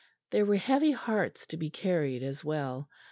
There were heavy hearts to be carried as well.